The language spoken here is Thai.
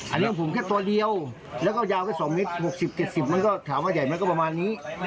อันนี้ของผมแค่ตัวเดียวแล้วก็ยาวแค่๒เมตร๖๐๗๐มันก็ถามว่าใหญ่ไหมก็ประมาณนี้